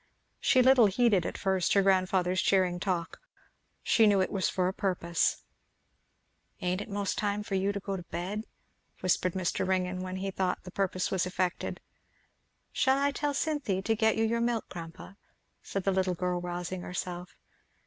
She little heeded at first her grandfather's cheering talk, she knew it was for a purpose. "Ain't it most time for you to go to bed?" whispered Mr. Ringgan when he thought the purpose was effected. "Shall I tell Cynthy to get you your milk, grandpa?" said the little girl rousing herself.